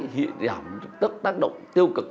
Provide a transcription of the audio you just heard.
hiểm tác động tiêu cực